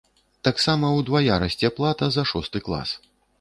Таксама ўдвая расце плата за шосты клас.